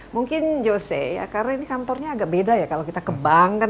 mungkin yose karena ini kantornya agak beda ya kalau kita kebangkan